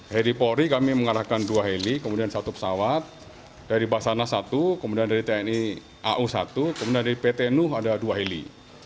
heli polri kami mengarahkan dua heli kemudian satu pesawat dari basana satu kemudian dari tni au satu kemudian dari pt nuh ada dua heli